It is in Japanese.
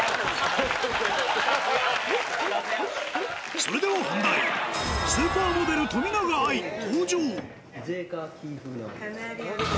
それでは本題スーパーモデル冨永愛登場